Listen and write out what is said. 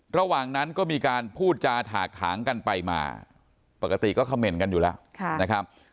ระหว่างนั้นก็มีการพูดจาถากถางกันไปมาปกติก็เขม่นกันอยู่แล้วนะครับ